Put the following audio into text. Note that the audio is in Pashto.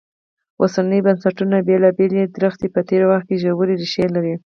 اوسنیو بنسټونو بېلابېلې ونې په تېر وخت کې ژورې ریښې لري.